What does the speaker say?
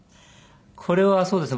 これはそうですね。